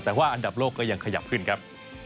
แต่ว่าอันดับโลกก็ยังขยับขึ้นครับ